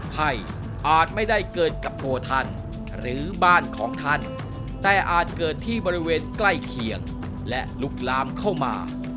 ไพ่อาจไม่ได้เกิดกับตัวท่านหรือบ้านของท่านแต่อาจเกิดที่บริเวณใกล้เคียงและลุกลามเข้ามา